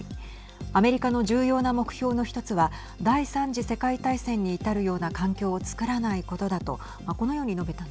アメリカの重要な目標の１つは第３次世界大戦に至るような環境を作らないことだとはい。